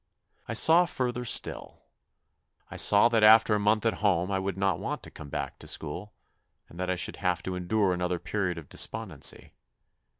I saw further still. I saw that after a month at home I would not want to come back to school, and that I should have to endure another period of despondency.